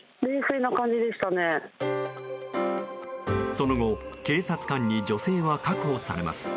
その後、警察官に女性は確保されます。